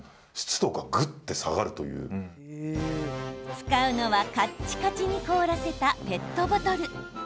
使うのは、かっちかちに凍らせたペットボトル。